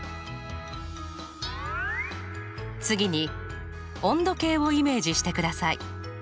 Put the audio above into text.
次に温度計をイメージしてください。